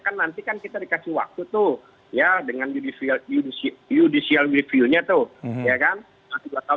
kan nanti kan kita dikasih waktu tuh ya dengan judicial review nya tuh ya kan